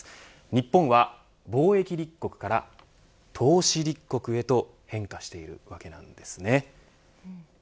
日本は貿易立国から投資立国へと変化しているわけなんです。